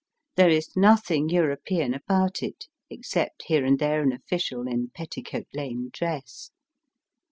There is nothing European about it, except here and there an official in Petticoat Lane dress.